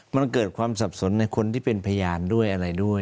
มันเกิดความสับสนในคนที่เป็นพยานด้วยอะไรด้วย